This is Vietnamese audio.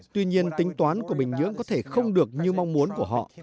tuy nhiên tính toán của bình nhưỡng có thể không được như mong muốn của họ